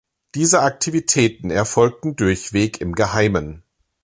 Diese Aktivitäten erfolgten durchweg im Geheimen.